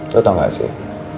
lo tau gak sih